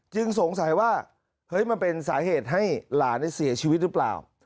สงสัยว่าเฮ้ยมันเป็นสาเหตุให้หลานเสียชีวิตหรือเปล่า